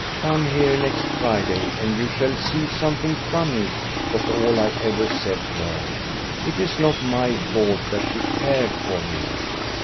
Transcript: ' Come here next Friday, and you shall see something funny!' was all I ever said to her. It is not my fault that she cared for me."